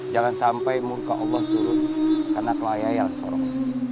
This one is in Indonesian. jangan sampai muka allah turun karena kelayalan seorang